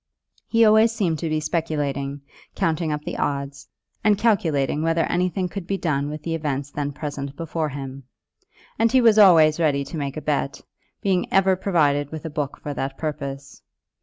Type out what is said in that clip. He seemed always to be speculating, counting up the odds, and calculating whether anything could be done with the events then present before him. And he was always ready to make a bet, being ever provided with a book for that purpose.